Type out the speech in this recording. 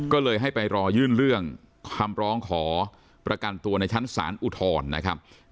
ก็เลยให้ไปรอยื่นเรื่องคำร้องขอประกันตัวในชั้นศาลอุทธรณ์นะครับ